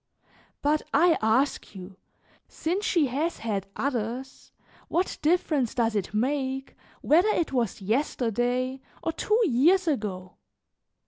But I ask you, since she has had others, what difference does it make whether it was yesterday or two years ago?